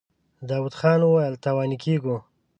داوود خان وويل: تاواني کېږو.